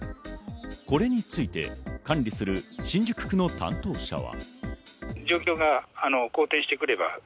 これについて管理する新宿区の担当者は。